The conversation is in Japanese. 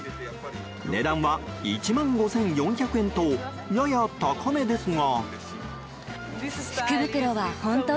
値段は１万５４００円とやや高めですが。